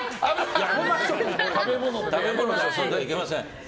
食べ物で遊んではいけません。